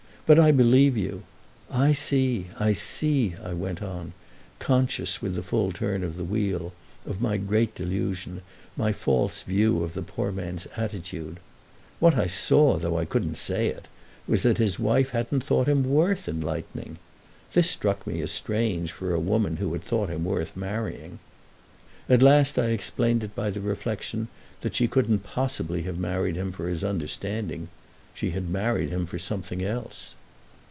But I believe you. I see—I see!" I went on, conscious, with the full turn of the wheel, of my great delusion, my false view of the poor man's attitude. What I saw, though I couldn't say it, was that his wife hadn't thought him worth enlightening. This struck me as strange for a woman who had thought him worth marrying. At last I explained it by the reflexion that she couldn't possibly have married him for his understanding. She had married him for something else.